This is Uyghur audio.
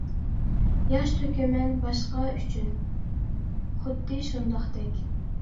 ياش تۆكىمەن باشقا ئۈچۈن، خۇددى شۇنداقتەك.